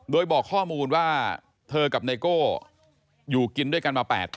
โดยบอกข้อมูลว่าเธอกับไนโก้อยู่กินด้วยกันมา๘ปี